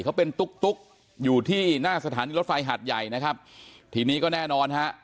เขาเป็นตุ๊กตุ๊กอยู่ที่หน้าสถานีรถไฟหาดใหญ่นะครับทีนี้ก็แน่นอนฮะ